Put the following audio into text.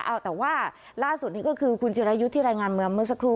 เอาแต่ว่าล่าสุดนี้ก็คือคุณจิรายุทธ์ที่รายงานมาเมื่อสักครู่